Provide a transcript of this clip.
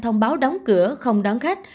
thông báo đóng cửa không đón khách